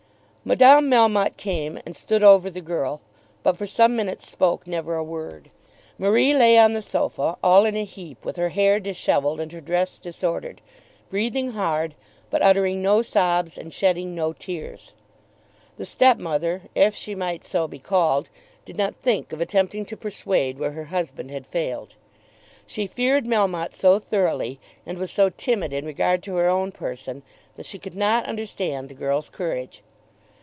Madame Melmotte came and stood over the girl, but for some minutes spoke never a word. Marie lay on the sofa, all in a heap, with her hair dishevelled and her dress disordered, breathing hard, but uttering no sobs and shedding no tears. The stepmother, if she might so be called, did not think of attempting to persuade where her husband had failed. She feared Melmotte so thoroughly, and was so timid in regard to her own person, that she could not understand the girl's courage.